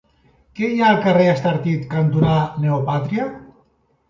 Què hi ha al carrer Estartit cantonada Neopàtria?